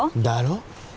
「だろ？」